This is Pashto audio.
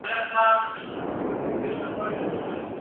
یوه ورځ به یې بېغمه له غپا سو ..